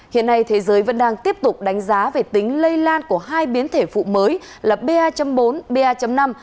hiện nay thế giới vẫn đang tiếp tục đánh giá về tính lây lan của hai biến thể phụ mới là ba bốn ba năm